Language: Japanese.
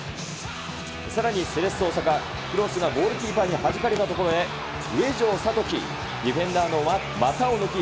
さらにセレッソ大阪、クロスがゴールキーパーにはじかれたところで、上門さとき。